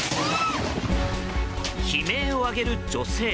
悲鳴を上げる女性。